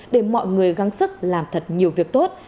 để mọi người gắng sức làm thật nhiều việc tốt